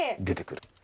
出てくる。